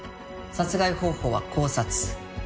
殺害方法は絞殺。